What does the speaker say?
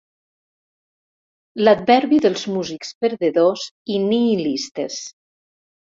L'adverbi dels músics perdedors i nihilistes.